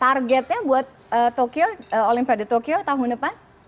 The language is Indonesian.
targetnya buat tokyo olimpiade tokyo tahun depan